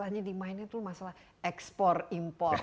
bagaimana kita bisa membuat